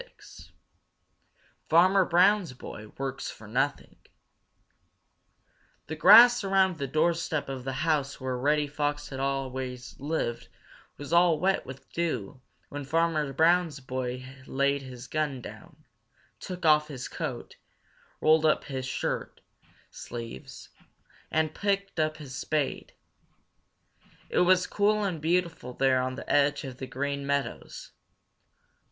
XXVI. Farmer Brown's Boy Works for Nothing The grass around the doorstep of the house where Reddy Fox had always lived was all wet with dew when Farmer Brown's boy laid his gun down, took off his coat, rolled up his shirt sleeves, and picked up his spade. It was cool and beautiful there on the edge of the Green Meadows.